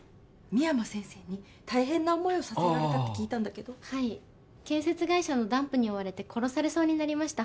深山先生に大変な思いをさせられたって聞いたんだけどはい建設会社のダンプに追われて殺されそうになりました